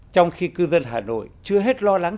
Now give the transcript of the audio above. trong khi cư dân hà nội chưa hết lo lắng